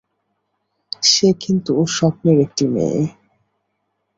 সে কিন্তু স্বপ্নের একটি মেয়ে।